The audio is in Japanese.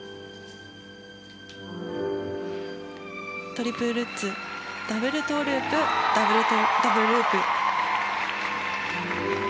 トリプルルッツダブルトウループダブルループ。